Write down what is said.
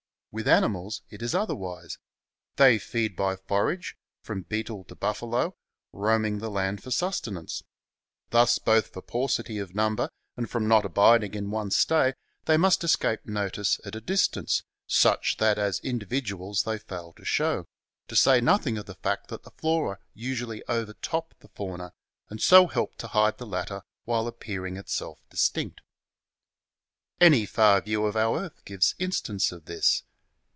With animals it is otherwise. They feed by forage, from beetle to buffalo, roaming the land for sustenance. Thus, both for paucity of number and from not abiding in one stay they must escape notice 360 CHAP, xxx EVIDENCE 361 at a distance such that as individuals they fail to show ; to say nothing of the fact that the flora usually overtop the fauna, and so help to hide the latter while appear ing itself distinct. Any far view of our earth gives in stance of this.